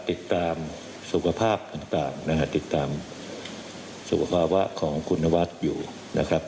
ติดตามสุขภาพต่างนะฮะติดตามสุขภาวะของคุณนวัฒน์อยู่นะครับ